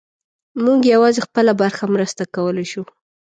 موږ یوازې خپله برخه مرسته کولی شو.